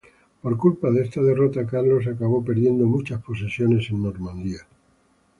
Por culpa de esta derrota Carlos acabó perdiendo muchas posesiones en Normandía.